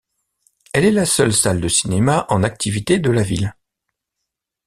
Elle est la seule salle de cinéma en activité de la ville.